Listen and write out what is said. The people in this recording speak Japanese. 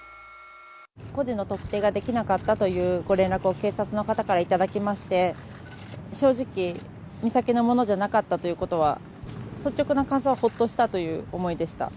個人の特定ができなかったというご連絡を警察の方からいただきまして、正直、美咲のものじゃなかったということは、率直な感想はほっとしたという思いでした。